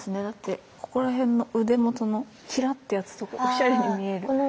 だってここらへんの腕元のひらってやつとかおしゃれに見える。